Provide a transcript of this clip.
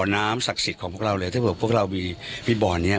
น้ำศักดิ์สิทธิ์ของพวกเราเลยถ้าเผื่อพวกเรามีพี่บอลเนี่ย